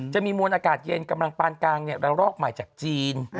จะมีมวลอากาศเย็นกำลังปานกลางระลอกใหม่จากจีน